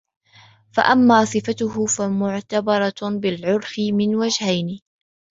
فَأَمَّا صِفَتُهُ فَمُعْتَبَرَةٌ بِالْعُرْفِ مِنْ وَجْهَيْنِ